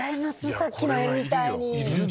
さっきの画みたいに。